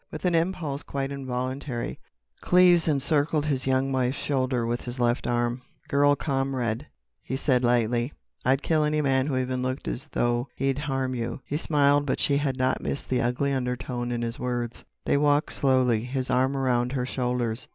With an impulse quite involuntary, Cleves encircled his young wife's shoulders with his left arm. "Girl comrade," he said lightly, "I'd kill any man who even looked as though he'd harm you." He smiled, but she had not missed the ugly undertone in his words. They walked slowly, his arm around her shoulders.